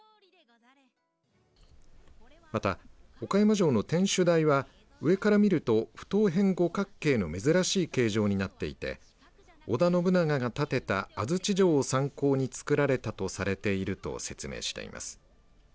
また、岡山城の天守台は上から見ると不等辺五角形の珍しい形状になっていて織田信長が建てた安土城を参考に造られたとされていると説明しています。